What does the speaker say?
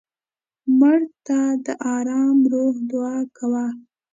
مړه ته د ارام روح دعا کوو